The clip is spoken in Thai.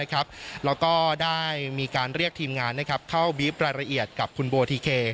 แล้วก็ได้มีการเรียกทีมงานเข้าบีฟรายละเอียดกับคุณโบทิเค